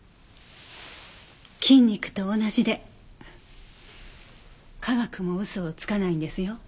筋肉と同じで科学も嘘をつかないんですよ。